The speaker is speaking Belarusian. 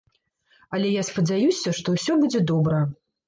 Але я спадзяюся, што ўсё будзе добра.